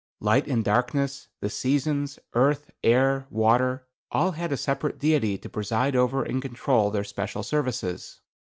Light and darkness, the seasons, earth, air, water, all had a separate deity to preside over and control their special services.